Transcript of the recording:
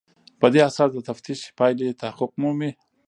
په دې اساس د تفتیش پایلې تحقق مومي.